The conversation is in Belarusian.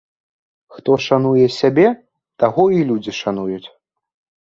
Хто шануе сябе, таго і людзі шануюць